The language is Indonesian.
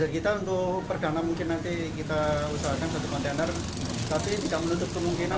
kita untuk perdana mungkin nanti kita usahakan satu kontainer tapi tidak menutup kemungkinan